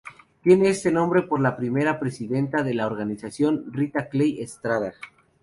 Tiene este nombre por la primera presidenta de la organización, Rita Clay Estrada.